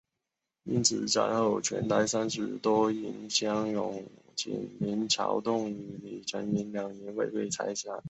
因此战后全台三十多营乡勇仅林朝栋与张李成两营未被裁撤。